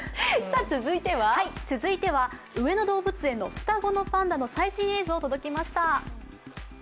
続いては上野動物園の双子のパンダの映像、届きました。